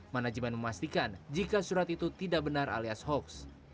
manajemen memastikan jika surat itu tidak benar alias hoax